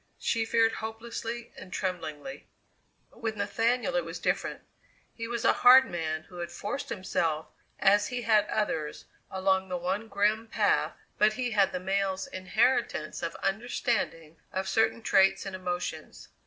She feared hopelessly and tremblingly. With Nathaniel it was different. He was a hard man who had forced himself, as he had others, along the one grim path, but he had the male's inheritance of understanding of certain traits and emotions.